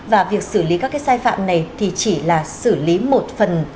và việc xử lý các cái sai phạm này thì chỉ là xử lý một phần